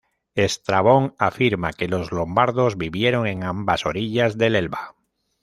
Estrabón afirma que los lombardos vivieron en ambas orillas del Elba.